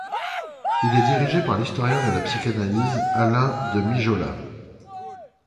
Il est dirigé par l'historien de la psychanalyse Alain de Mijolla.